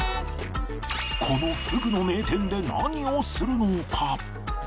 このふぐの名店で何をするのか？